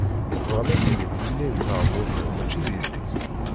Tebɣam ad d-tinim yelli n tɛebbuṭ-iw mačči d yelli?